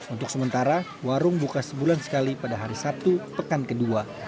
untuk sementara warung buka sebulan sekali pada hari sabtu pekan kedua